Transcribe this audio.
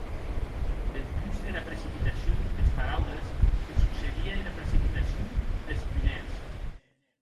Dempús dera precipitacion des paraules se succedie era precipitacion des punets.